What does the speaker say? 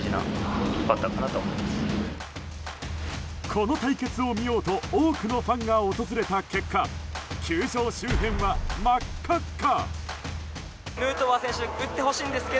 この対決を見ようと多くのファンが訪れた結果球場周辺は、真っ赤っか。